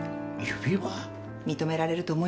認められると思いますよ。